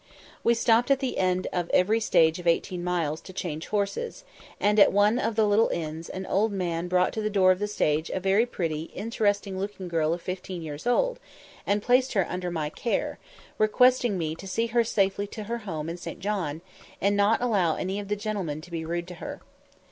We stopped at the end of every stage of eighteen miles to change horses, and at one of the little inns an old man brought to the door of the stage a very pretty, interesting looking girl of fifteen years old, and placed her under my care, requesting me to "see her safely to her home in St. John, and not allow any of the gentlemen to be rude to her."